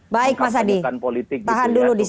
baik mas adi tahan dulu di situ